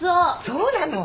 そうなの？